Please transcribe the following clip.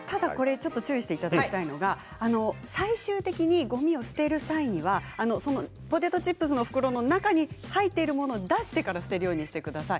注意していただきたいのが最終的に、ごみを捨てる際にはポテトチップスの袋の中に入っているものを出してから捨てるようにしてください。